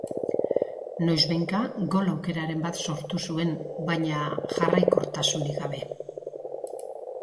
Noizbehinka gol aukeraren bat sortu zuen, baina jarraikortasunik gabe.